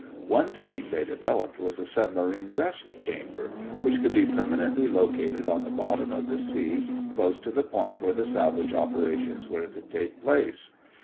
One scheme they developed was a submarine rest chamber which could be permanently located on the bottom of the sea close to the point where the salvage operations were to take place.